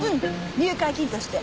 入会金として。